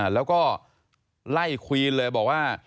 แล้วก็ไล่ควีนเลยบอกว่า